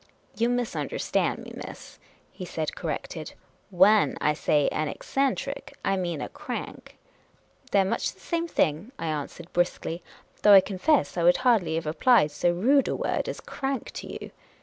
" You misunderstand me, miss," he corrected. " IV/iai I say an eccentric, I mean a crank." " They are much the same thing," I answered, briskly. " Though I confess I would hardly have applied so rude a word as crank to you."